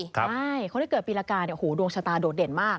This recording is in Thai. ใช่คนที่เกิดปีละกาดวงชะตาโดดเด่นมาก